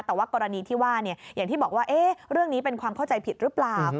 แต่ว่ากรณีที่ว่าอย่างที่บอกว่าเรื่องนี้เป็นความเข้าใจผิดหรือเปล่า